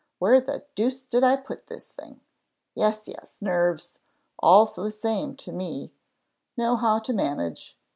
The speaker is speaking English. Where the deuce did I put this thing? Yes, yes nerves; all the same to me; know how to manage.